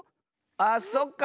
あっそっか！